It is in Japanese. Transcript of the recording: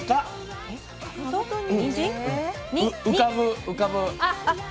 浮かぶ浮かぶ。